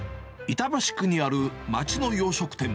板橋区にある街の洋食店。